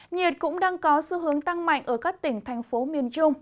nhiệt cũng đang có xu hướng tăng mạnh ở các tỉnh thành phố miền trung